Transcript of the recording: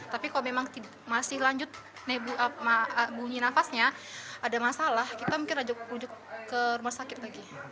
tapi kalau memang masih lanjut bunyi nafasnya ada masalah kita mungkin rujuk ke rumah sakit lagi